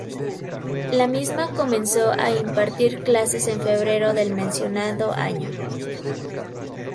La misma comenzó a impartir clases en febrero del mencionado año.